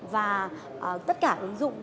và tất cả ứng dụng